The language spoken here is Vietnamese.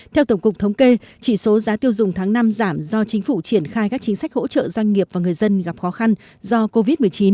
theo tổng cục thống kê chỉ số giá tiêu dùng tháng năm giảm do chính phủ triển khai các chính sách hỗ trợ doanh nghiệp và người dân gặp khó khăn do covid một mươi chín